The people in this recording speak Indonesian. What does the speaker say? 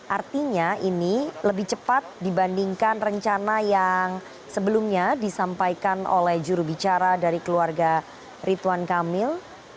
artinya ini lebih cepat dibandingkan rencana yang sebelumnya disampaikan oleh jurubicara dari keluarga rituan kamil